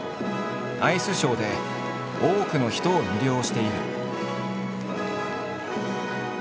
アイスショーで多くの人を魅了している。